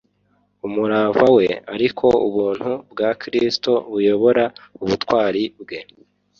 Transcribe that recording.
umurava we ariko ubuntu bwa Kristo buyobora ubutwari bwe.